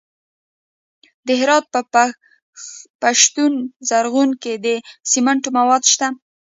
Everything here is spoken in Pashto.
د هرات په پشتون زرغون کې د سمنټو مواد شته.